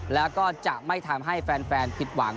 แล้วก็จะไม่ทำให้แฟนผิดหวัง